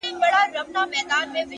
يو څه خو وايه کنه يار خبري ډيري ښې دي!!